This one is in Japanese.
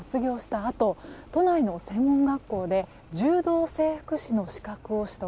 あと都内の専門学校で柔道整復師の資格を取得。